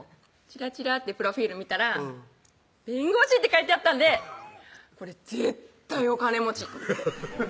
チラチラッてプロフィール見たら「弁護士」って書いてあったんでこれ絶対お金持ちハハハハッ